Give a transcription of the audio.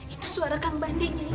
itu suara kang bandi nyai